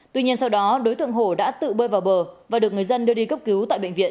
tuy nhiên sau đó đối tượng hổ đã tự bơi vào bờ và được người dân đưa đi cấp cứu tại bệnh viện